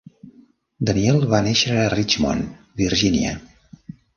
Daniel va néixer a Richmond, Virginia.